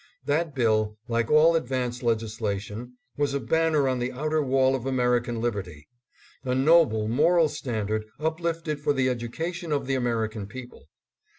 That bill, like all advance legislation, was a banner on the outer wall of American liberty ; a noble moral standard uplifted for the education of the American people.